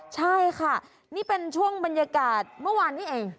ใช่ค่ะนี่เป็นช่วงบรรยากาศเมื่อวานนี้เอง